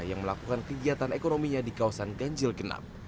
yang melakukan kegiatan ekonominya di kawasan ganjil genap